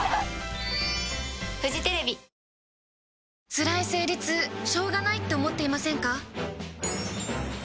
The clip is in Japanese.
つらい生理痛しょうがないって思っていませんか？